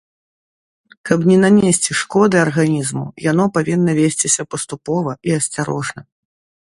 Каб не нанесці шкоды арганізму, яно павінна весціся паступова і асцярожна.